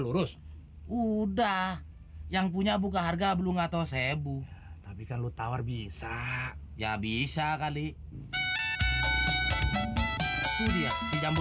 lurus udah yang punya buka harga belum atau sebu tapi kalau tawar bisa ya bisa kali itu dia jambu